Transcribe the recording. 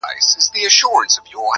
• همدایو کسب یې زده همدا خواري وه -